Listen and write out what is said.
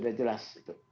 sudah jelas itu